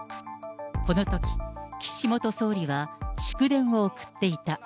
このとき、岸元総理は祝電を送っていた。